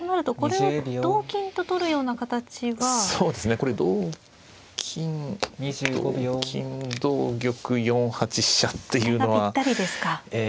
これ同金同金同玉４八飛車っていうのは。がピッタリですか。